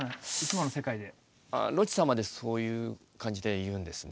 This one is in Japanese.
ロッチさんまでそういう感じで言うんですね。